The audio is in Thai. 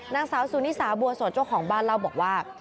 นางสาวสุนิสาบัวสดเจ้าของบ้านเล่าบอกว่า